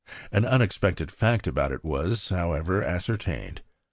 An unexpected fact about it was, however, ascertained.